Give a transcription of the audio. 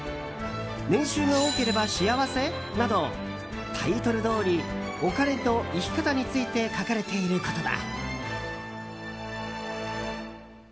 年収が多ければ幸せ？などタイトルどおりお金と生き方について書かれていることだ。